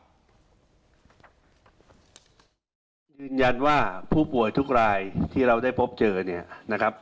ยืนยันว่าผู้ป่วยทุกรายที่เราได้พบเจอเนี่ยนะครับ